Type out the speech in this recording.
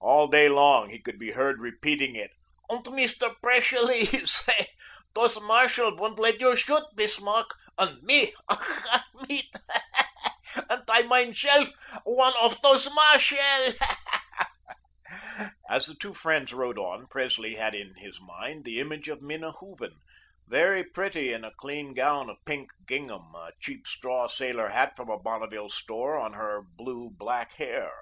All day long, he could be heard repeating it. "Und Mist'r Praicelie, he say, 'Dose mairschell woand led you schoot, Bismarck,' und ME, ach Gott, ME, aindt I mine selluf one oaf dose mairschell?" As the two friends rode on, Presley had in his mind the image of Minna Hooven, very pretty in a clean gown of pink gingham, a cheap straw sailor hat from a Bonneville store on her blue black hair.